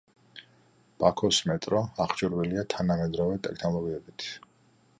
ბაქოს მეტრო აღჭურვილია თანამედროვე ტექნოლოგიებით.